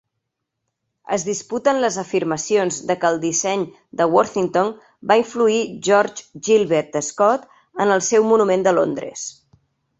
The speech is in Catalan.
Es disputen les afirmacions de que el disseny de Worthington va influir George Gilbert Scott en el seu monument de Londres.